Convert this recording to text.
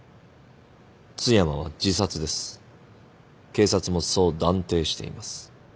警察もそう断定しています。